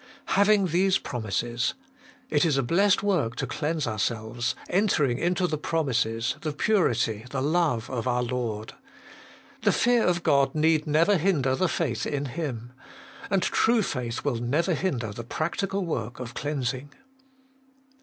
6. 'Having these promises,' it Is a blessed work to cleanse ourselves entering Into the promises, the purity, the love of our Lord. The fear of God need never hinder the faith In Him. And true faith will never hinder the practical worf> of cleansing.